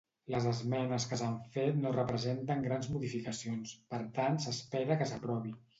Les esmenes que s'han fet no representen grans modificacions, per tant s'espera que s'aprovi.